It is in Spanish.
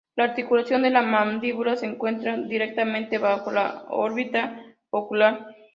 La articulación de la mandíbula se encuentra directamente bajo la órbita ocular.